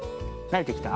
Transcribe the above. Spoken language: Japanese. なれてきた。